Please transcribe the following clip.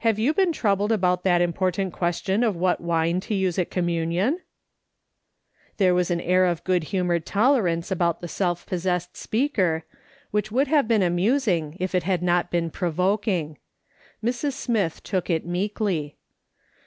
Have you been troubled about that important question of what wine to use at communion ?" There was an air of good humoured tolerance about the self possessed speaker, which would have been amusing, if it had not been provoking. Mrs. Smith took it meekly.